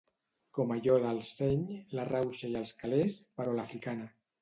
Com allò del seny, la rauxa i els calés però a l'africana.